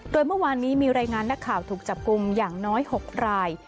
โดยเมื่อวานนี้มีรายงานนักข่าวถูกจับกลุ่มอย่างน้อย๖ราย